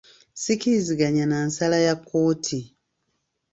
Sikkiriziganya na nsala ya kkooti.